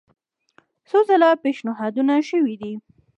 څو ځله پېشنهادونه شوي دي.